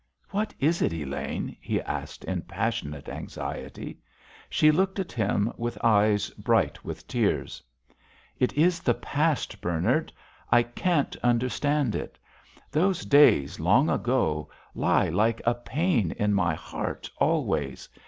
"What is it, Elaine?" he asked in passionate anxiety. She looked at him with eyes bright with tears. "It is the past, Bernard; I can't understand it. Those days, long ago, lie like a pain in my heart, always.